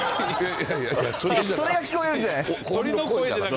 それが聞こえるんじゃない。